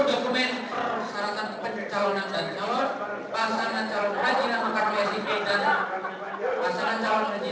dokumen saratan pencalonan dan calon pasangan calon haji dan pasangan calon haji